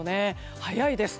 早いです。